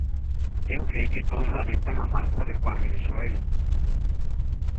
Eu sei que todos lamentan a marcha de Juan e de Xoel.